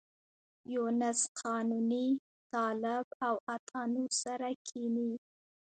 یونس قانوني، طالب او عطا نور سره کېني.